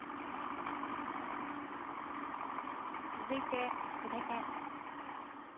続いて筆ペン。